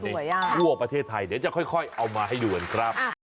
ทั่วประเทศไทยเดี๋ยวจะค่อยเอามาให้ดูกันครับ